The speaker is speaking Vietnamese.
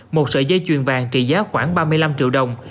một sợi dây chuyền vàng trị giá khoảng ba mươi năm triệu đồng